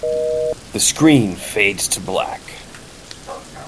The screen fades to black.